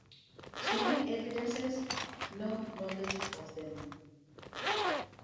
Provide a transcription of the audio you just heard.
Snorri evidences no knowledge of them.